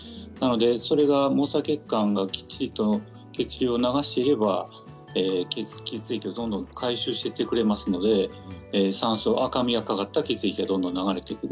それは毛細血管がきっちりと血流を流していれば血液をどんどん回収していってくれますので酸素、赤みがかかった血液がどんどん流れてくる。